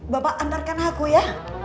bapak antarkan aku ya